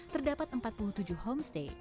terdapat empat puluh tujuh homestay